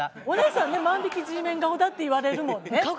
お姉さんね万引きＧメン顔だって言われるもんね。